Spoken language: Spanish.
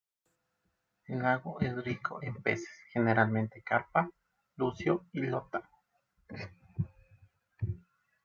El lago es rico en peces, generalmente carpa, lucio y lota.